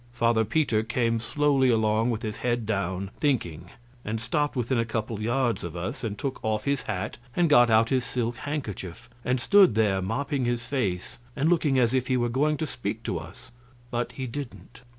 Father Peter came slowly along with his head down, thinking, and stopped within a couple of yards of us and took off his hat and got out his silk handkerchief, and stood there mopping his face and looking as if he were going to speak to us, but he didn't.